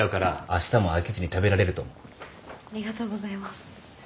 ありがとうございます。